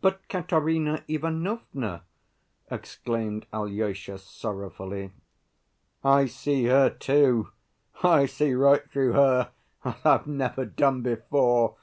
"But Katerina Ivanovna!" exclaimed Alyosha sorrowfully. "I see her, too! I see right through her, as I've never done before!